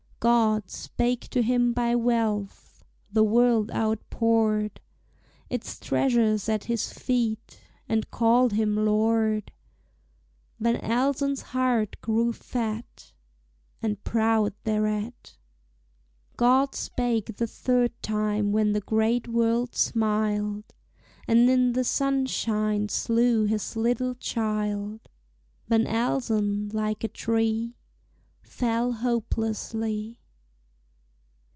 God spake to him by wealth, the world outpoured Its treasures at his feet, and called him Lord; Van Elsen's heart grew fat And proud thereat. God spake the third time when the great world smiled, And in the sunshine slew his little child; Van Elsen like a tree Fell hopelessly.